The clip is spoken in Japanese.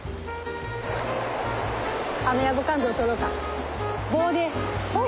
あのヤブカンゾウ取ろうか。